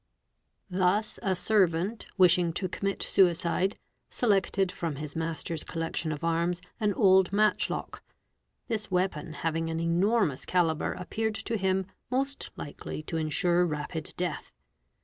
Thus a servant, wishing to commit suicide, selected from his master's collection of arms an old matchlock; this weapon "having an enormous calibre appeared to him most likely to ensure rapid death.